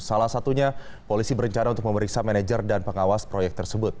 salah satunya polisi berencana untuk memeriksa manajer dan pengawas proyek tersebut